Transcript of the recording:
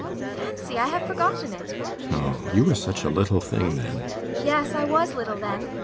Fancy, I have forgotten it. ALLMERS. Oh, you were such a little thing then. ASTA. Yes, I was little then.